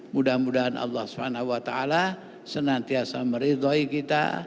mudah mudahan allah swt senantiasa meridhoi kita